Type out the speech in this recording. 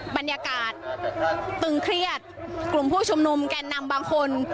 บรรยากาศตึงเครียดกลุ่มผู้ชุมนุมแก่นนำบางคน